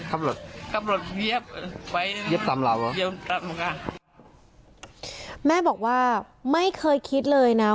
ทำเหลือเจ็บไว้ไปเย็บยนตร์แม่บอกว่าไม่เคยคิดเลยนะ